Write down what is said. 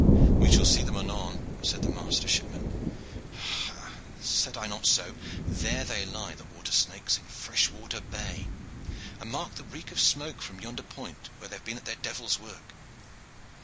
"We shall see them anon," said the master shipman. "Ha, said I not so? There they lie, the water snakes, in Freshwater Bay; and mark the reek of smoke from yonder point, where they have been at their devil's work.